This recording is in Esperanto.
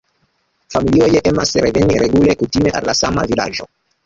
Familioj emas reveni regule, kutime al la sama vilaĝo.